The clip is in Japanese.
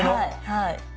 はい。